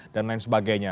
dan lain sebagainya